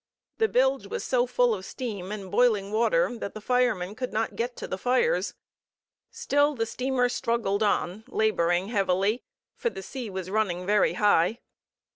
The bilge was so full of steam and boiling water that the firemen could not get to the fires. Still the steamer struggled on, laboring heavily, for the sea was running very high.